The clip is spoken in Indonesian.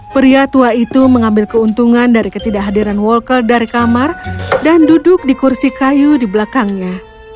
pria tua itu mengambil keuntungan dari ketidakhadiran walker dari kamar dan duduk di kursi kayu di belakangnya